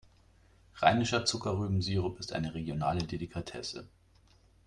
Rheinischer Zuckerrübensirup ist eine regionale Delikatesse.